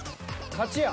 勝ちや。